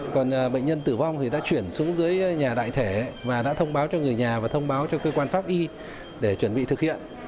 còn bệnh nhân tử vong thì đã chuyển xuống dưới nhà đại thể và đã thông báo cho người nhà và thông báo cho cơ quan pháp y để chuẩn bị thực hiện